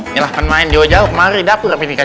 nyalah kan main di wajah